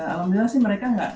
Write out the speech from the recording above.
alhamdulillah sih mereka nggak